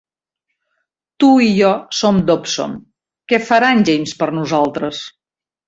Tu i jo som Dobson. Què farà en James per nosaltres?